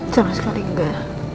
sama sekali enggak